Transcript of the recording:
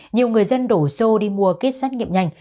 nhiều người dân đổ xô đi mua kích xét nghiệm nhanh